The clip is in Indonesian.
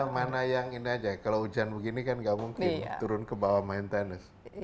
mana yang ini aja kalau hujan begini kan nggak mungkin turun ke bawah main tenis